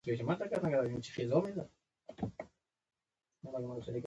د ځونډي ګل تر راتګ پورې مې خان قره باغي یاد شو.